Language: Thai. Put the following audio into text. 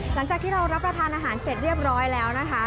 หลังจากที่เรารับประทานอาหารเสร็จเรียบร้อยแล้วนะคะ